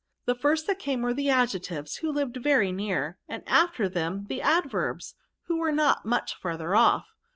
The first that came were the Adjec tives, who lived, very, near ; and after them the Adverbs, who were not much farther off.